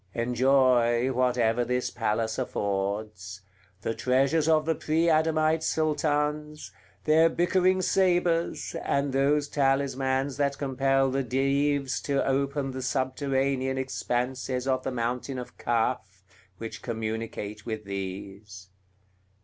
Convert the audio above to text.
Enjoy whatever this palace affords: the treasures of the pre Adamite Sultans, their bickering sabres, and those talismans that compel the Dives to open the subterranean expanses of the mountain of Kaf, which communicate with these.